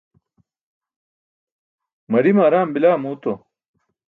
maḍime araam bila muuto